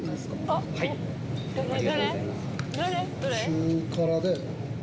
中辛で。